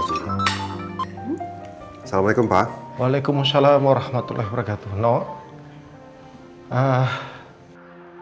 assalamualaikum pak waalaikumsalam warahmatullahirrahmanirrahim